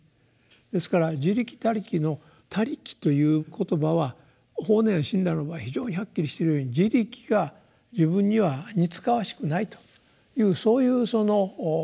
ですから「自力」「他力」の「他力」という言葉は法然親鸞の場合非常にはっきりしているように「自力」が自分には似つかわしくないというそういうそのま